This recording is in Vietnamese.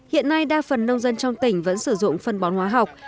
hiện nay đa phần nông dân trong tỉnh vẫn sử dụng phân bón hóa học